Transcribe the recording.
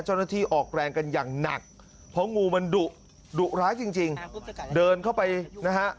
เจ้าหน้าที่ออกแรงกันอย่างหนักเพราะงูมันดุดุร้ายจริงจริงเดินเข้าไปนะฮะ